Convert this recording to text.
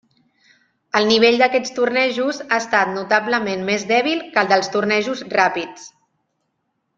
El nivell d'aquests tornejos ha estat notablement més dèbil que dels tornejos ràpids.